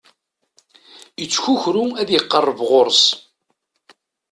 Ittkukru ad iqerreb ɣur-s.